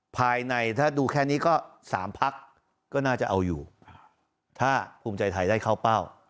ภายในถ้าดูแค่นี้ก็สามพักก็น่าจะเอาอยู่ถ้าภูมิใจไทยได้เข้าเป้า